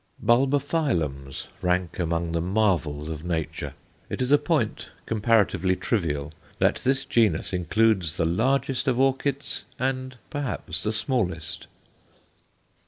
Bulbophyllums rank among the marvels of nature. It is a point comparatively trivial that this genus includes the largest of orchids and, perhaps, the smallest.